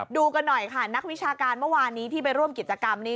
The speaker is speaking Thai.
ดูกันหน่อยค่ะนักวิชาการเมื่อวานนี้ที่ไปร่วมกิจกรรมนี้